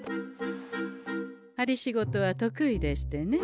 針仕事は得意でしてね。